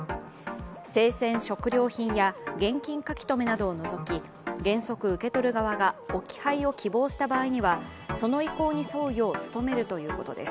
生鮮食料品や現金書留などを除き原則、受け取る側が置き配を希望した場合にはその意向に沿うよう努めるということです。